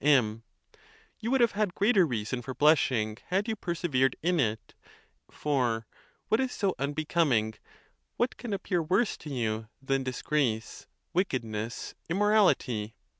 M. You would hate had greater reason for blushing had you persevered in it; for what is so unbecoming— what can appear worse to you, than disgrace, wickedness, immorality?